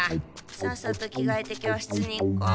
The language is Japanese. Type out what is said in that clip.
さっさと着がえて教室に行こう。